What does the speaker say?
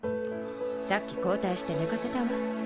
さっき交代して寝かせたわ。